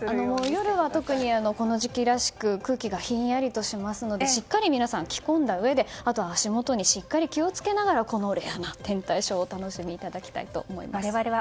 夜は特に、この時期らしく空気がひんやりとしますのでしっかりと皆さん着込んだうえであと足元に気を付けながらこのレアな天体ショーをお楽しみいただきたいと思います。